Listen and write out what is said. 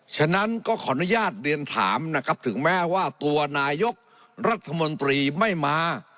ฉะนั้นก็ขออนุญาตเรียนถามนะครับถึงแม้ว่าตัวนายกรัฐมนตรีไม่มา